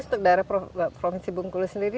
untuk daerah provinsi bengkulu sendiri